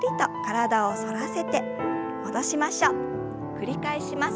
繰り返します。